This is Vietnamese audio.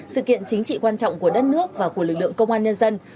sự kiện chính trị quan trọng của đất nước và của lực lượng công an nhân dân